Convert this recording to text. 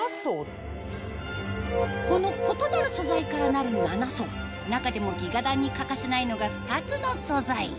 この異なる素材からなる７層中でもギガ暖に欠かせないのが２つの素材